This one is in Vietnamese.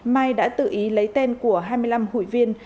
mai đã tự ý lấy tên của hai mươi năm hụi viên